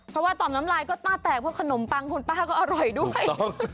เพราะว่าต่อมน้ำลายก็ต้าแตกเพราะขนมปังคุณป้าก็อร่อยด้วย